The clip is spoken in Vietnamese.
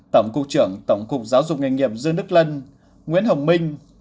tổng cục trưởng tổng cục giáo dục nghề nghiệp dương đức lân nguyễn hồng minh